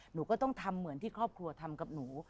หนูก็ต้องทำเหมือนที่ครอบครัวทำกับหนู